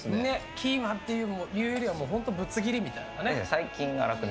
キーマっていうよりはぶつ切りみたいな。